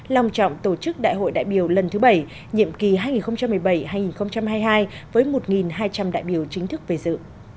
lòng trọng tổ chức đại hội đại biểu lần thứ bảy nhiệm kỳ hai nghìn một mươi bảy hai nghìn hai mươi hai với một hai trăm linh đại biểu chính thức về dự